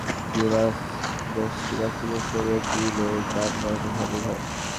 কিছুক্ষণের মধ্যেই পুলিশ ঘটনাস্থলে গিয়ে বস্তিবাসীদের সরিয়ে দিলে যান চলাচল স্বাভাবিক হয়।